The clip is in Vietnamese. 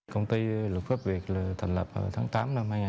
công ty luật pháp việt thành lập tháng tám năm hai nghìn hai mươi